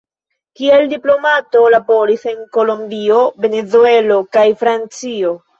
Kiel diplomato, laboris en Kolombio, Venezuelo kaj Francio.